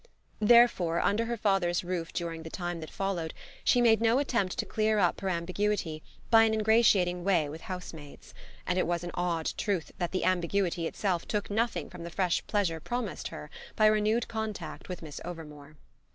Therefore, under her father's roof during the time that followed, she made no attempt to clear up her ambiguity by an ingratiating way with housemaids; and it was an odd truth that the ambiguity itself took nothing from the fresh pleasure promised her by renewed contact with Miss Overmore.